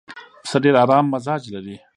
پسه ډېر ارام مزاج لري.